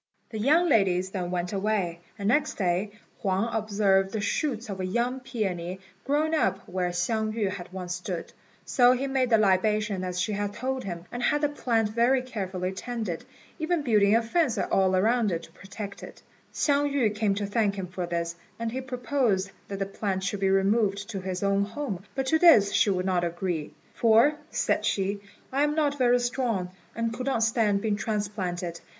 The young ladies then went away, and next day Huang observed the shoots of a young peony growing up where Hsiang yü had once stood. So he made the libation as she had told him, and had the plant very carefully tended, even building a fence all round to protect it. Hsiang yü came to thank him for this, and he proposed that the plant should be removed to his own home; but to this she would not agree, "for," said she, "I am not very strong, and could not stand being transplanted.